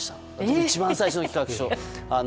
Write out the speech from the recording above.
一番最初の企画書。